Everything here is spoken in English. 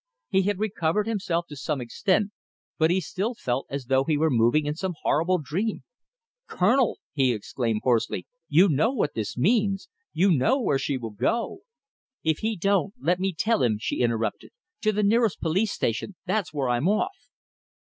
He had recovered himself to some extent, but he still felt as though he were moving in some horrible dream. "Colonel!" he exclaimed hoarsely, "you know what this means! You know where she will go!" [Illustration: "'TO THE NEAREST POLICE STATION! THAT'S WHERE I'M OFF.'"] "If he don't, let me tell him," she interrupted. "To the nearest police station! That's where I'm off."